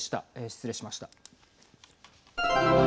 失礼しました。